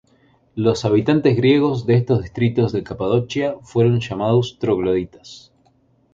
Los habitantes griegos de estos distritos de Capadocia fueron llamados trogloditas.